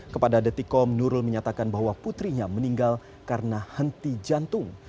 kepada detikom nurul menyatakan bahwa putrinya meninggal karena henti jantung